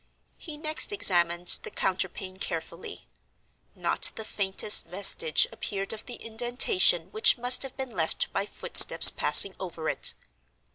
He next examined the counterpane carefully. Not the faintest vestige appeared of the indentation which must have been left by footsteps passing over it.